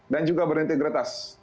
dan juga berintegritas